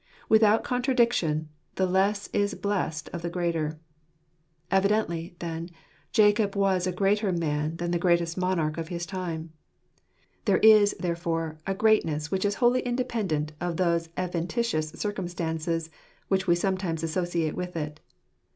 "Without contradiction, the less is blessed of the greater." Evidently, then, Jacob was a greater man than the greatest monarch of his time. There is, therefore, a greatness which is wholly inde pendent of those adventitious circumstances which we sometimes associate with it.